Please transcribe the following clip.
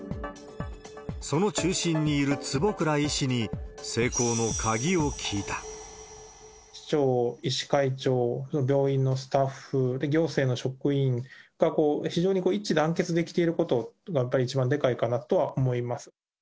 その中心にいる坪倉医師に、市長、医師会長、病院のスタッフ、行政の職員が、非常に一致団結できていることが、やっぱり一番でかいかなと思いま